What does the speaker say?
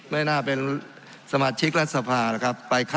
ทั้งสองกรณีผลเอกประยุทธ์